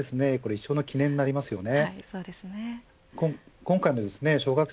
一生の記念になりますよね。